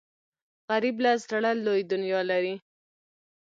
غریب له زړه لوی دنیا لري